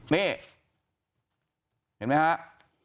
นี่เห็นไหมครับ